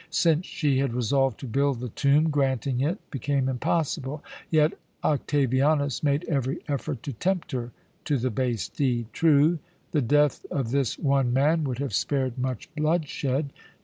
Since she had resolved to build the tomb, granting it became impossible, yet Octavianus made every effort to tempt her to the base deed. True, the death of this one man would have spared much bloodshed.